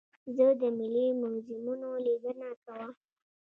زه د ملي موزیمونو لیدنه کوم.